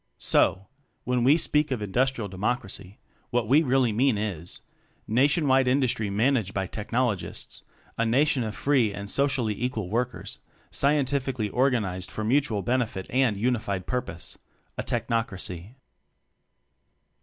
So, when we speak of Industrial De mocracy, what we really mean is: Nation wide Industry managed by Technologists a Nation of free and socially equal workers, scientifically organized for mutual benefit and uni fied purpose a Technocracy.